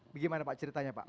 bagaimana pak ceritanya pak